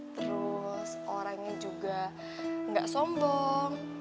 terus orangnya juga nggak sombong